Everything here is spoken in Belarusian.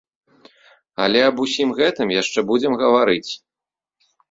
Але аб усім гэтым яшчэ будзем гаварыць.